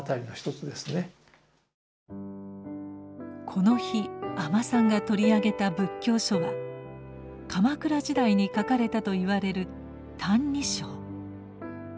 この日阿満さんが取り上げた仏教書は鎌倉時代に書かれたといわれる「歎異抄」。